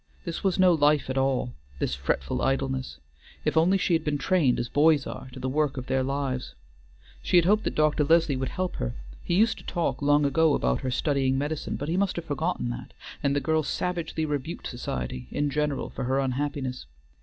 This was no life at all, this fretful idleness; if only she had been trained as boys are, to the work of their lives! She had hoped that Dr. Leslie would help her; he used to talk long ago about her studying medicine, but he must have forgotten that, and the girl savagely rebuked society in general for her unhappiness.